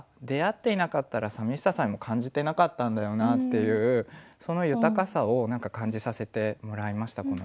出会っていなかったら寂しささえも感じていなかったんだよなっていうその豊かさを感じさせてもらいました